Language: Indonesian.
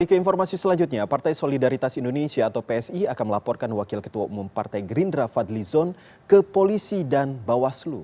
dari keinformasi selanjutnya partai solidaritas indonesia atau psi akan melaporkan wakil ketua umum partai grindra fadli zon ke polisi dan bawah seluruh